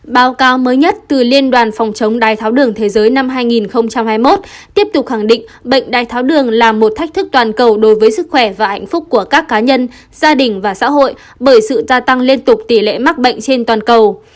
báo cáo mới nhất từ liên đoàn phòng chống đai tháo đường thế giới năm hai nghìn hai mươi một tiếp tục khẳng định bệnh đai tháo đường là một thách thức toàn cầu đối với sức khỏe và hạnh phúc của các cá nhân gia đình và xã hội bởi sự gia tăng liên tục tỷ lệ mắc bệnh trên toàn cầu